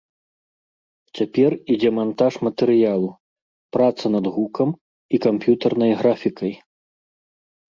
Цяпер ідзе мантаж матэрыялу, праца над гукам і камп'ютарнай графікай.